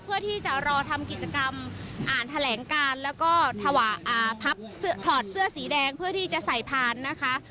เพื่อที่จะรอทำกิจกรรมอ่านแถลงการแล้วก็ถอดเสื้อสีแดงเพื่อที่จะใส่พานนะคะ